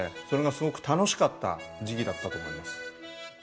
それがすごく楽しかった時期だったと思います。